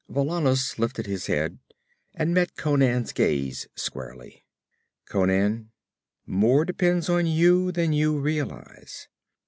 Valannus lifted his head and met Conan's gaze squarely. 'Conan, more depends on you than you realize.